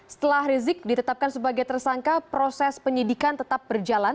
setelah rizik ditetapkan sebagai tersangka proses penyidikan tetap berjalan